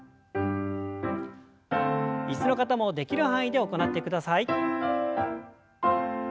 椅子の方もできる範囲で行ってください。